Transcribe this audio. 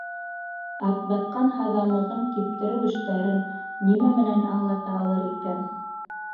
Атбатҡан һаҙамығын киптереү эштәрен нимә менән аңлата алыр икән?